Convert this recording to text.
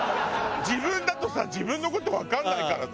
自分だとさ自分の事わかんないからさ。